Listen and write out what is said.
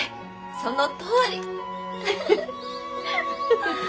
そのとおり！